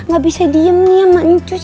gak bisa diem nih sama nyucus